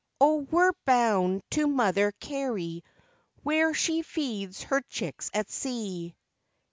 Oh, we're bound to Mother Carey where she feeds her chicks at sea!"